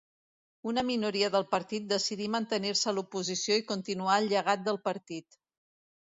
Una minoria del partit decidí mantenir-se a l'oposició i continuar el llegat del partit.